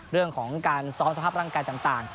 เรื่องของการซ้อมสภาพร่างกายต่าง